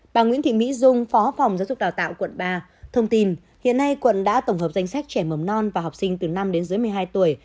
bà nguyễn thị mỹ dung phó phòng giáo dục đào tạo quận ba thông tin hiện nay quận đã tổng hợp danh sách trẻ mầm non và học sinh từ năm đến dưới một mươi hai tuổi